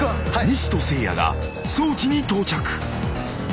［西とせいやが装置に到着］